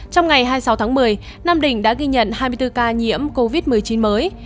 trong ngày hai mươi sáu tháng một mươi nam định đã ghi nhận hai mươi bốn ca nhiễm covid một mươi chín mới